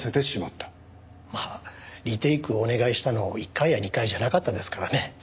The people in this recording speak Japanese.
まあリテイクをお願いしたの１回や２回じゃなかったですからね。